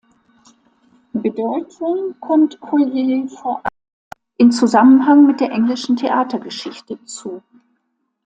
Bedeutung kommt Collier vor allem in Zusammenhang mit der englischen Theatergeschichte zu.